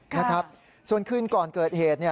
นะครับส่วนคืนก่อนเกิดเหตุ